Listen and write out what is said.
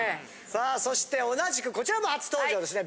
さあそして同じくこちらも初登場ですね